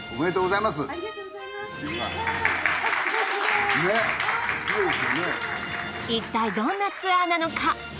いったいどんなツアーなのか。